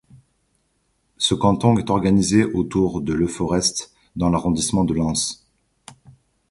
Ce canton est organisé autour de Leforest dans l'arrondissement de Lens.